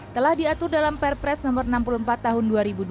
telah diatur dalam perpres no enam puluh empat tahun dua ribu dua puluh